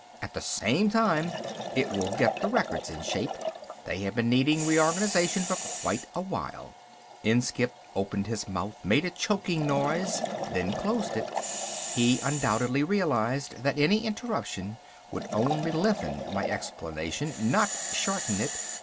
At the same time it will get the records in shape. They have been needing reorganization for quite a while." Inskipp opened his mouth, made a choking noise, then closed it. He undoubtedly realized that any interruption would only lengthen my explanation, not shorten it.